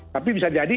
tapi bisa jadi